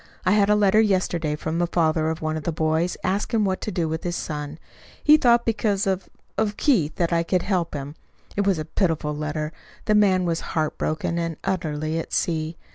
I had a letter yesterday from the father of one of the boys, asking what to do with his son. He thought because of of Keith, that I could help him. It was a pitiful letter. The man was heart broken and utterly at sea.